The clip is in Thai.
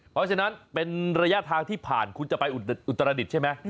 เพราะฉะนั้นเป็นระยะทางที่ผ่านคุณจะไปอุตรดิษฐ์ใช่ไหม